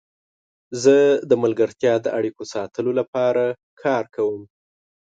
زه د ملګرتیا د اړیکو ساتلو لپاره کار کوم.